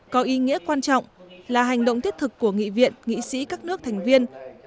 có ý nghĩa quan trọng là hành động thiết thực của nghị viện nghị sĩ các nước thành viên